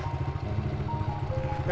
ya udah yuk sini